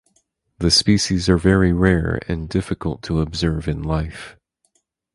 The species are very rare and difficult to observe in life.